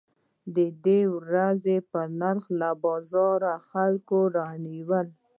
د ورځې په نرخ له بازاره خلک راونیول.